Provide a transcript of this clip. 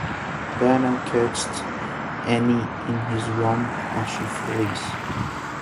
Diane catches Annie in his room, and she flees.